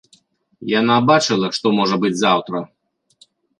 Яна бачыла, што можа быць заўтра.